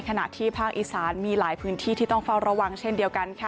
ขณะที่ภาคอีสานมีหลายพื้นที่ที่ต้องเฝ้าระวังเช่นเดียวกันค่ะ